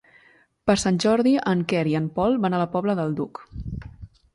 Per Sant Jordi en Quer i en Pol van a la Pobla del Duc.